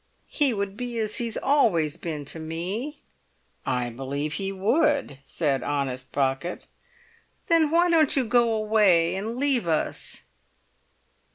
"He would be as he's always been to me." "I believe he would," said honest Pocket. "Then why don't you go away and leave us?"